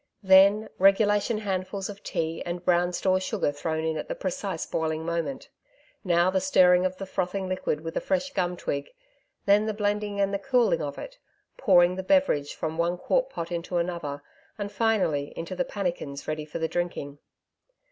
Then, regulation handfuls of tea and brown store sugar thrown in at the precise boiling moment. Now the stirring of the frothing liquid with a fresh gum twig. Then the blending and the cooling of it pouring the beverage from one quart pot into another, and finally into the pannikins ready for the drinking.